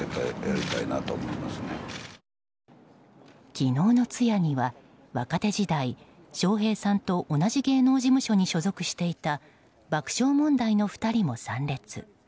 昨日の通夜には若手時代、笑瓶さんと同じ芸能事務所に所属していた爆笑問題の２人も参列。